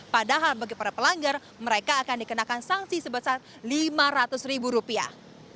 padahal bagi para pelanggar mereka akan dikenakan sanksi sebesar lima ratus ribu rupiah